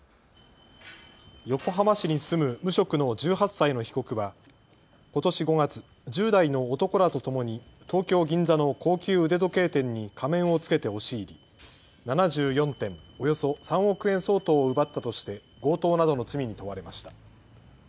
横浜市に住む無職の１８歳の被告はことし５月、１０代の男らとともに東京銀座の高級腕時計店に仮面を着けて押し入り７４点、およそ３億円相当を奪ったとして強盗などの罪に問われました。